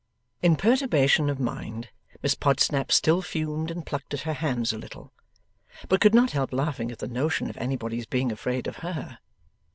In perturbation of mind Miss Podsnap still fumed and plucked at her hands a little, but could not help laughing at the notion of anybody's being afraid of her.